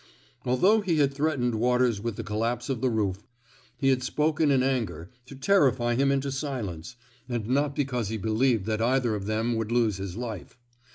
Although he had threatened Waters mth the collapse of the roof, he had spoken in anger, to terrify him into silence, and not because he believed that either of them would lose his life.